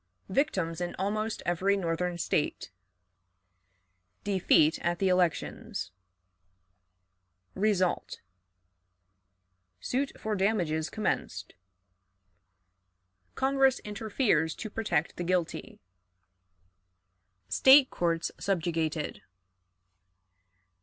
Victims in almost Every Northern State. Defeat at the Elections. Result. Suit for Damages commenced. Congress interferes to protect the Guilty. State Courts subjugated.